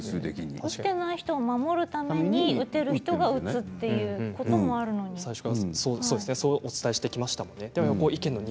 打てない人を守るために打てる人が打つということもあるのに。